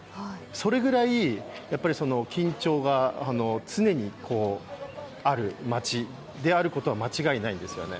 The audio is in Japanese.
それぐらい緊張が常にある町であることは間違いないんですよね。